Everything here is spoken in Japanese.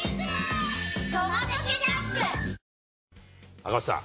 赤星さん。